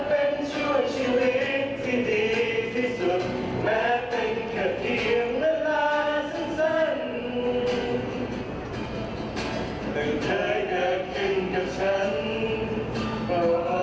เปลื้องเคยเดินเคยกับฉันเพราะว่าเจอ